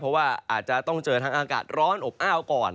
เพราะว่าอาจจะต้องเจอทั้งอากาศร้อนอบอ้าวก่อน